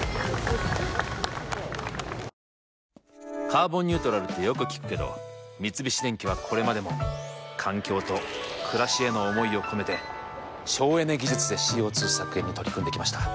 「カーボンニュートラル」ってよく聞くけど三菱電機はこれまでも環境と暮らしへの思いを込めて省エネ技術でＣＯ２削減に取り組んできました。